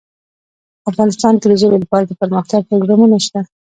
افغانستان کې د ژبې لپاره دپرمختیا پروګرامونه شته.